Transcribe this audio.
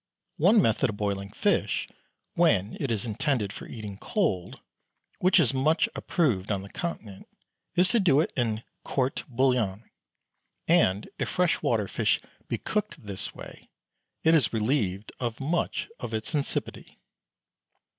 One method of boiling fish, when it is intended for eating cold, which is much approved of on the Continent, is to do it in "court bouillon," and if fresh water fish be cooked this way it is relieved of much of its insipidity.